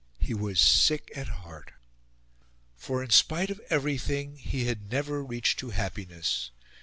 He was sick at heart. For in spite of everything he had never reached to happiness.